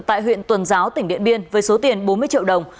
tại huyện tuần giáo tỉnh điện biên với số tiền bốn mươi triệu đồng